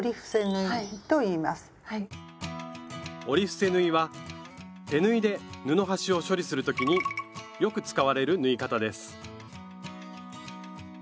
折り伏せ縫いは手縫いで布端を処理する時によく使われる縫い方です